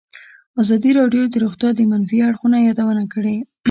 ازادي راډیو د روغتیا د منفي اړخونو یادونه کړې.